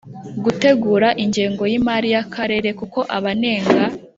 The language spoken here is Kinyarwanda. gutegura ingengo y imari y akarere kuko abanenga